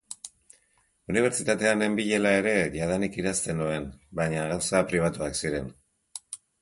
Unibertsitatean nenbilela ere jadanik idazten nuen, baina gauza pribatuak ziren.